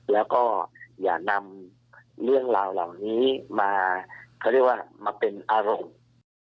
แล้วก็อย่านำเรื่องราวเหล่านี้มาเขาเรียกว่ามาเป็นอารมณ์นะครับ